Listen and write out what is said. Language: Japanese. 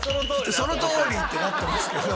「そのとおり！」ってなってますけど。